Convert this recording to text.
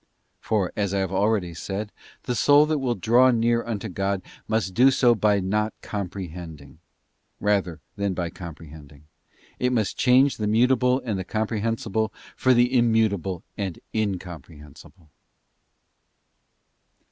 For, as I have already said,* the soul that will draw near unto God must do so by not comprehending, rather than by comprehending; it must change the mutable and the comprehensible for the Immutable and Incomprehensible.